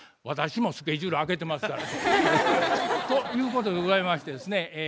私もスケジュール空けてますから。ということでございましてですね